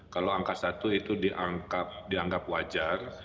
kalau angka satu itu dianggap wajar